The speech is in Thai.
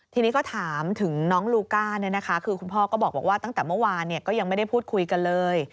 ทีนี้ก็ถามถึงน้องลูก้าคือคุณพ่อก็บอกว่าตั้งแต่เมื่อวานก็ยังไม่ได้พูดคุยกันเลย